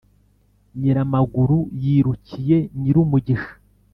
Nyiramaguru yirukiye Nyirumugisha